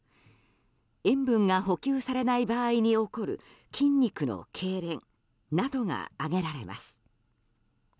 塩分が補給されない場合に起こる筋肉のけいれんなどが挙げられます。